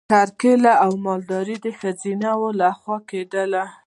کرکیله او مالداري د ښځینه وو لخوا کیدله.